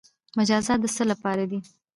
مجازات د څه لپاره دي؟